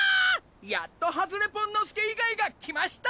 やっとはずれポンの助以外が来ました！